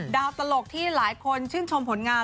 ตลกที่หลายคนชื่นชมผลงาน